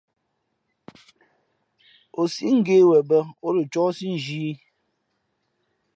O sǐʼ ngě wen bᾱ, ǒ lα cóhsí nzhī ī .